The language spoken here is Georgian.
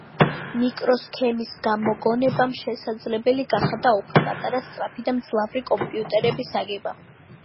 მიკროსქემის გამოგონებამ შესაძლებელი გახადა უფრო პატარა, სწრაფი და მძლავრი კომპიუტერების აგება